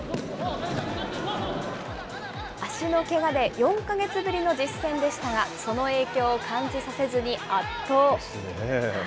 足のけがで４か月ぶりの実戦でしたが、その影響を感じさせずに圧倒。